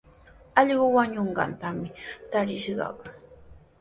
Allqu wañunaykaqtami tarishqaa.